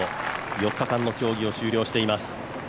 ４日間の競技を終了しています。